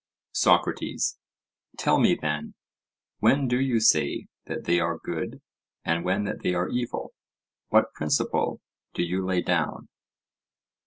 SOCRATES: Tell me, then, when do you say that they are good and when that they are evil—what principle do you lay down?